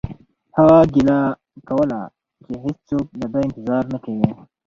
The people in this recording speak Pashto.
هغه ګیله کوله چې هیڅوک د ده انتظار نه کوي